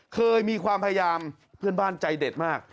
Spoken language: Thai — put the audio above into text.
เคยมีความพยายามเพื่อนบ้านใจเด็ดมาก